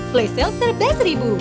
play sale serba seribu